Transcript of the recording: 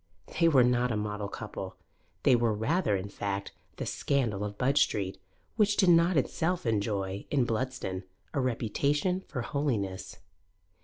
They were not a model couple; they were rather, in fact, the scandal of Budge Street, which did not itself enjoy, in Bludston, a reputation for holiness.